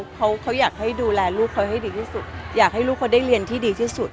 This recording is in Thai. เขาอยากให้ดูแลลูกเขาให้ดีที่สุดอยากให้ลูกเขาได้เรียนที่ดีที่สุด